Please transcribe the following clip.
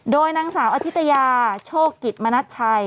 โดยนางสาวอธิตยาโชคกิจมณัชชัย